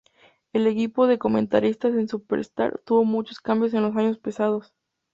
El equipo de comentaristas en "Superstars" tuvo muchos cambios en los años pasados.